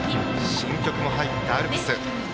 新曲も入ったアルプス。